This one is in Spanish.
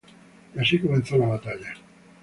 Y así comenzó la batalla.